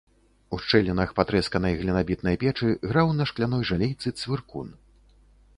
У шчылінах патрэсканай глінабітнай печы граў на шкляной жалейцы цвыркун.